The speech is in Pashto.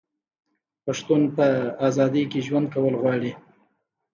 پښتون په ازادۍ کې ژوند کول غواړي.